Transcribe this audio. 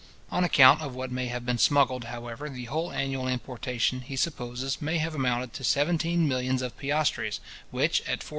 On account of what may have been smuggled, however, the whole annual importation, he supposes, may have amounted to seventeen millions of piastres, which, at 4s.